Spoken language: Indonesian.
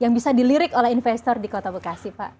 yang bisa dilirik oleh investor di kota bekasi pak